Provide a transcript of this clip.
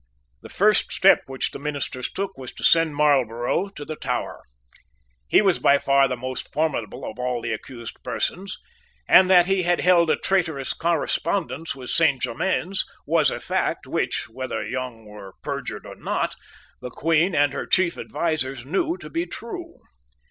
The first step which the ministers took was to send Marlborough to the Tower. He was by far the most formidable of all the accused persons; and that he had held a traitorous correspondence with Saint Germains was a fact which, whether Young were perjured or not, the Queen and her chief advisers knew to be true.